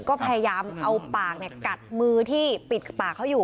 ก็พยายามเอาปากกัดมือที่ปิดปากเขาอยู่